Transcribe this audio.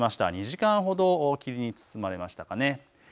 ２時間ほど霧に包まれましたかね。